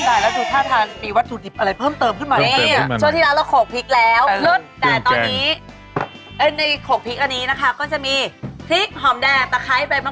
กลับมาอยู่ในช่วงสุดท้ายของเชฟกระทะหล่อล่อล่อล่อ